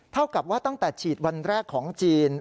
เท่ากับว่าตั้งแต่ฉีดวันแรกของจีน